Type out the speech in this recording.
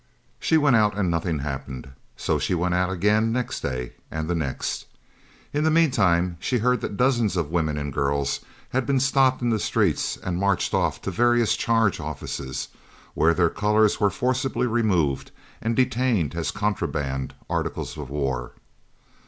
She went out and nothing happened, so she went out again next day, and the next. In the meantime she heard that dozens of women and girls had been stopped in the streets and marched off to the various Charge Offices, where their colours were forcibly removed and detained as contraband articles of war.